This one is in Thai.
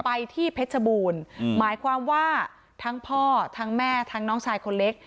ไปที่เพชรบูรณ์หมายความว่าทั้งพ่อทั้งแม่ทั้งน้องชายคนเล็ก